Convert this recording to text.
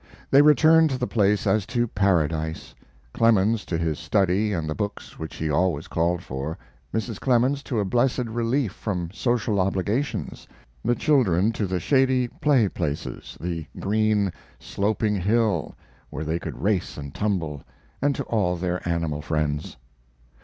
They returned to the place as to Paradise: Clemens to his study and the books which he always called for, Mrs. Clemens to a blessed relief from social obligations, the children to the shady play places, the green, sloping hill, where they could race and tumble, and to all their animal friends.